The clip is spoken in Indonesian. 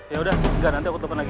ya udah enggar nanti aku telepon lagi